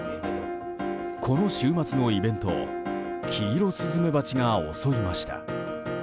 この週末のイベントをキイロスズメバチが襲いました。